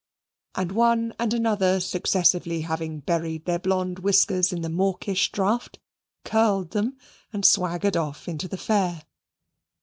and one and another successively having buried their blond whiskers in the mawkish draught, curled them and swaggered off into the fair.